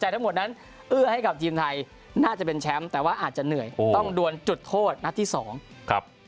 ตอนนั้นอาจจะเหนื่อยต้องดวนจุดโทษหน้าที่สองครับ